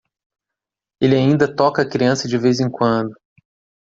Ele ainda toca a criança de vez em quando.